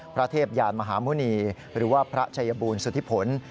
เทพยานมหาหมุณีหรือว่าพระชัยบูรณสุธิผล